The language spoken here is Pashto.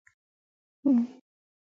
غریب د زړونو شګونه دی